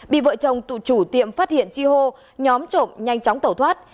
bị vợ chồng tù chủ tiệm phát hiện chi hô nhóm trộm nhanh chóng tẩu thoát